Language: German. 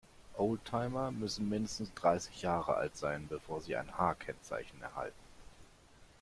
Oldtimer müssen mindestens dreißig Jahre alt sein, bevor sie ein H-Kennzeichen erhalten.